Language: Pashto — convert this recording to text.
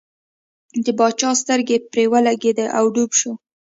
د باچا سترګې پر ولګېدې او ډوب شو.